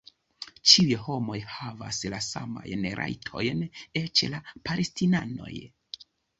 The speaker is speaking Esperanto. Ĉiuj homoj havas la samajn rajtojn... eĉ la palestinanoj!